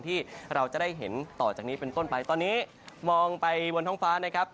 ที่เราจะได้เห็นต่อจากนี้เป็นต้นไปตอนนี้มองไปบนท้องฟ้านะครับ